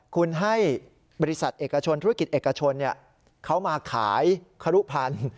คุณให้บริษัทเอกชนธุรกิจเอกชนเขามาขายครุพันธุ์